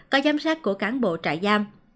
có giám sát của cán bộ trại giam